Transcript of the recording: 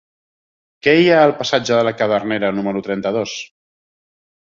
Què hi ha al passatge de la Cadernera número trenta-dos?